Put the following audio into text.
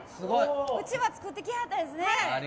うちわ作ってきはったんですね。